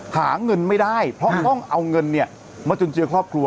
ยังไงยังไงยังไงยังไงยังไงยังไงยังไง